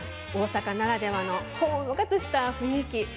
大阪ならではのほんわかとした雰囲気